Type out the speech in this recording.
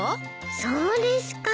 そうですか。